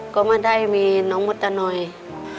ก็ไม่ได้มีน้องมธนอยด์